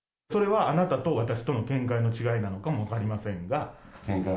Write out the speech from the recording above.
それはあなたと私との見解の違いなのかも分かりませんが。